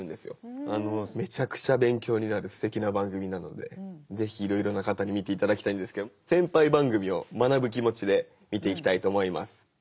めちゃくちゃ勉強になるすてきな番組なので是非いろいろな方に見ていただきたいんですけど先輩番組を学ぶ気持ちで見ていきたいと思います。